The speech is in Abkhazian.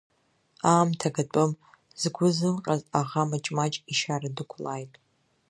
Аамҭа гатәым, згәы зымҟьаз аӷа маҷ-маҷ ишьара дықәлаит…